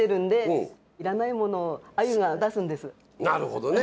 なるほどね！